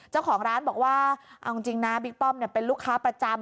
เจ้าของร้านบอกว่าเอาจริงนะบิ๊กป้อมเป็นลูกค้าประจำ